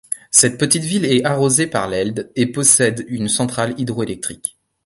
Cette petite ville est arrosée par l'Elde et possède une centrale hydroélectrique.